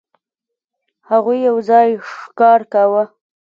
هغوی یو ځای ښکار کاوه.